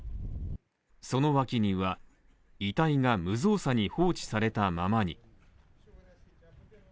その脇には、遺体が無造作に放置されたままに。